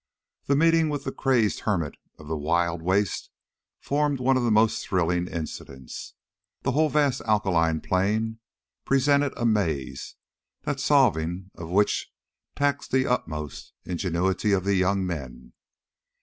The meeting with the crazed hermit of this wild waste formed one of the most thrilling incidents. The whole vast alkali plain presented a maze the solving of which taxed to the utmost the ingenuity of the young men.